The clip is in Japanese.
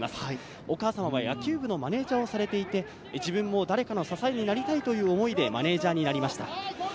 お母様は野球部のマネジャーをされていて、自分も誰かの支えになりたいという思いでマネジャーになりました。